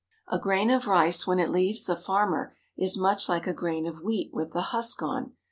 A grain of rice when it leaves the farmer is much like a grain of wheat with the husk on.